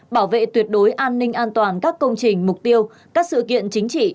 bảo vệ tuyệt đối an ninh an toàn các công trình mục tiêu các sự kiện chính trị